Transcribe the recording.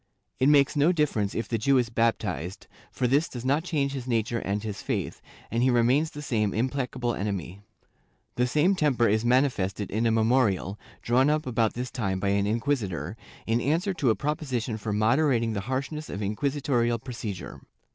It makes no difference if the Jew is baptized, for this does not change his nature and his faith, and he remains the same im placable enemy/ The same temper is manifested in a memorial, drawn up about this time by an inquisitor, in answer to a propo sition for moderating the harshness of inquisitorial procedure.